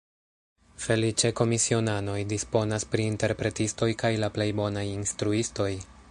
Feliĉe komisionanoj disponas pri interpretistoj kaj la plej bonaj instruistoj.